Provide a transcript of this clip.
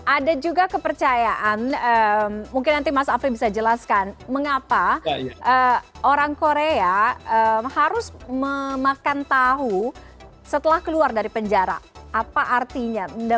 ada juga kepercayaan mungkin nanti mas afri bisa jelaskan mengapa orang korea harus memakan tahu setelah keluar dari penjara apa artinya